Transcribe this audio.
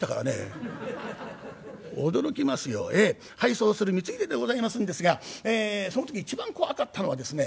そうする光秀でございますんですがその時一番怖かったのはですね